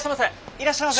いらっしゃいませ！